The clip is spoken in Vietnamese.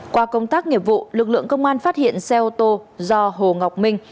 qua công tác nghiệp vụ lực lượng công an phát hiện xe ô tô do hồ ngọc minh